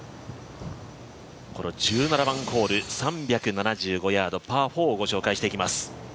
この１７番ホール、３７５ヤード、パー４を御紹介していきます。